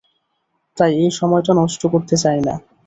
তাই এই সময়টা নষ্ট করতে চাই না।